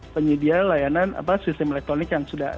penyedia layanan sistem elektronik yang sudah